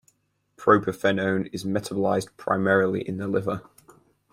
Propafenone is metabolized primarily in the liver.